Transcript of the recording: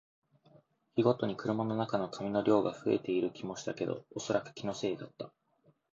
日ごとに車の中の紙の量が増えている気もしたけど、おそらく気のせいだった